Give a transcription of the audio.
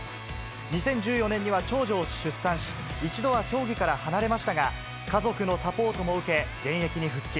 ２０１４年には長女を出産し、一度は競技から離れましたが、家族のサポートも受け、現役に復帰。